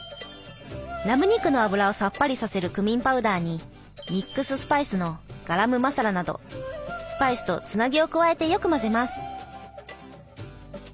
ラム肉の脂をさっぱりさせるクミンパウダーにミックススパイスのガラムマサラなどスパイスとつなぎを加えてよく混ぜます。